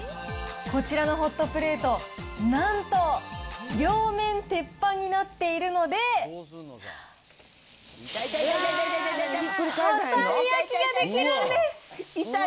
こちらのホットプレート、なんと両面鉄板になっているので、挟み焼きができるんです。